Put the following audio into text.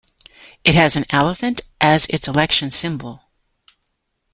It has an elephant as its election symbol.